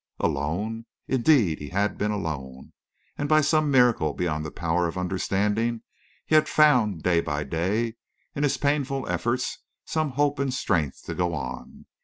Alone indeed he had been alone! And by some miracle beyond the power of understanding he had found day by day in his painful efforts some hope and strength to go on.